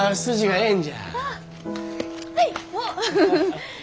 はい。